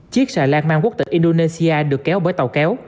chiếc xà lan mang quốc tịch indonesia được kéo bởi tàu kéo